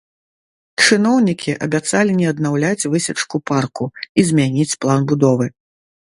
Чыноўнікі абяцалі не аднаўляць высечку парку і змяніць план будовы.